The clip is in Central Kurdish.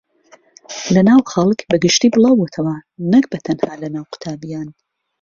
لەناو خەڵک بەگشتی بڵاوبۆتەوە نەک بەتەنها لەناو قوتابییان